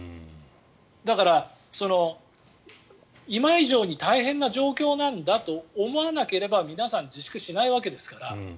だから、今以上に大変な状況なんだと思わなければ皆さん自粛しないわけですから。